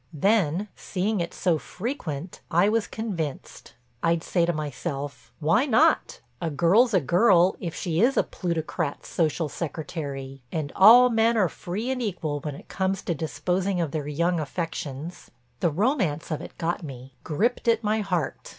Then, seeing it so frequent, I was convinced. I'd say to myself "Why not—a girl's a girl if she is a plutocrat's social secretary, and all men are free and equal when it comes to disposing of their young affections." The romance of it got me, gripped at my heart.